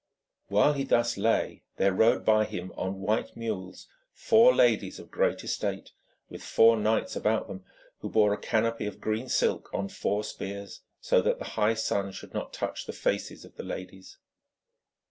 While he thus lay, there rode by him on white mules four ladies of great estate, with four knights about them, who bore a canopy of green silk on four spears, so that the high sun should not touch the faces of the ladies.